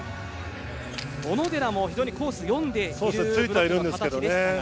小野寺も非常にコースを読んでいる形でしたが。